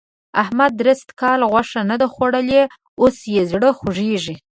احمد درست کال غوښه نه ده خوړلې؛ اوس يې زړه خوږېږي.